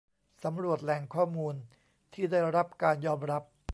สำรวจแหล่งข้อมูลที่ได้รับการยอมรับ